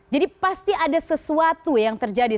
jadi pasti ada sesuatu yang terjadi